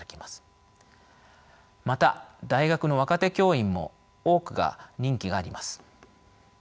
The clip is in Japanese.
また大学の若手教員も多くが任期があります。